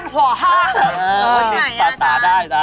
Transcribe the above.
ภาษาได้ค่ะ